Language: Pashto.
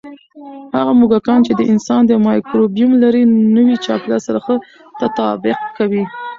هغه موږکان چې د انسان مایکروبیوم لري، نوي چاپېریال سره ښه تطابق کوي.